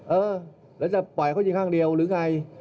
เออหรือจะปล่อยเขาอย่างเดียวหรือไง